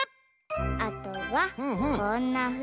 あとはこんなふうにはこに。